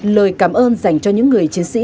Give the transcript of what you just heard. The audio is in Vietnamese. lời cảm ơn dành cho những người chiến sĩ